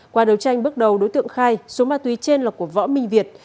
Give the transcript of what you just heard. qua đấu tranh bước đầu đối tượng khai số ma túy trên là của võ minh việt